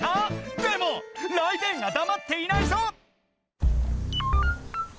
でもライデェンがだまっていないぞ！